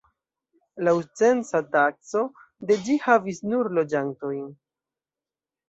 Laŭ censa takso de ĝi havis nur loĝantojn.